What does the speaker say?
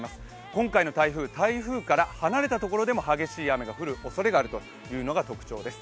今回の台風、台風から離れたところでも激しい雨が降るおそれがあるというのが特徴です。